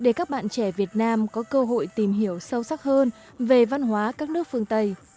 để các bạn trẻ việt nam có cơ hội tìm hiểu sâu sắc hơn về văn hóa các nước phương tây